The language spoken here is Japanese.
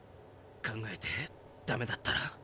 考えてダメだったら？